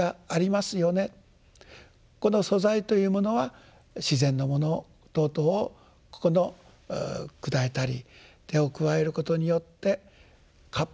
この素材というものは自然のもの等々をここの砕いたり手を加えることによってカップとしての一つの姿をなしてくる。